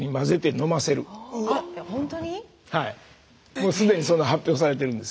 もう既にそういうの発表されてるんです。